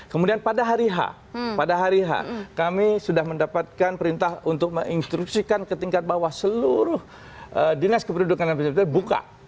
kemudian pada hari h pada hari h kami sudah mendapatkan perintah untuk menginstruksikan ke tingkat bawah seluruh dinas kependudukan dan pemerintah buka